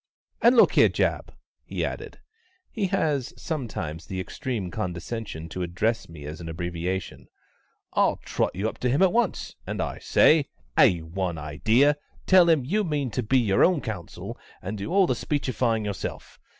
"And look here, JAB," he added (he has sometimes the extreme condescension to address me as an abbreviation), "I'll trot you up to him at once and I say, A 1 idea! tell him you mean to be your own counsel, and do all the speechifying yourself.